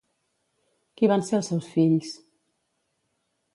Qui van ser els seus fills?